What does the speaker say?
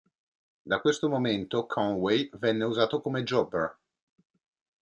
Da questo momento Conway venne usato come Jobber.